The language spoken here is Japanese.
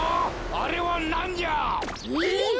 あれはなんじゃ！？